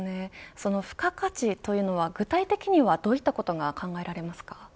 その付加価値というのは具体的にはどういったことが考えられますか。